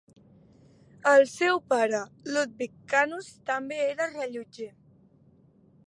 El seu pare, Ludwig Kanus, també era rellotger.